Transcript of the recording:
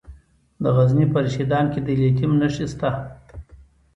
د غزني په رشیدان کې د لیتیم نښې شته.